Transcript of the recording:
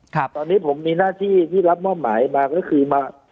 ตอนนี้ผมมีหน้าที่ที่รับมอบหมายมาก็คือมา